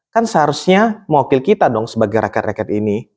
kan seharusnya mewakil kita dong sebagai rakyat rakyat ini